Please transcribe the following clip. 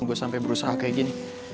gue sampai berusaha kayak gini